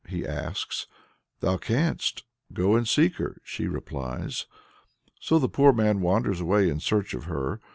he asks. "Thou canst; go and seek her," she replies. So the poor man wanders away in search of her.